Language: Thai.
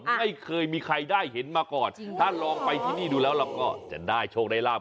ไม่เคยมีใครได้เห็นมาก่อนถ้าลองไปที่นี่ดูแล้วเราก็จะได้โชคได้ลาบ